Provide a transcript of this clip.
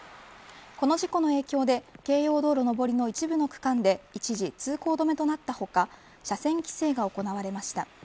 この事故の影響で京葉道路上りの一部の区間で一時通行止めとなった他車線規制が行われました。